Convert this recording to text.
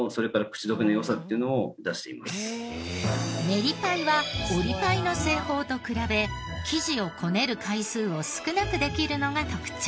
練りパイは折りパイの製法と比べ生地をこねる回数を少なくできるのが特徴。